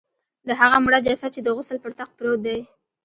د هغه مړه جسد چې د غسل پر تخت پروت دی.